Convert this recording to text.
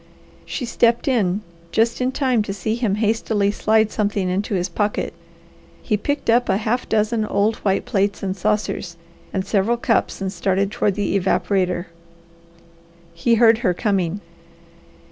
She stepped in just in time to see him hastily slide something into his pocket. He picked up a half dozen old white plates and saucers and several cups and started toward the evaporator. He heard her coming.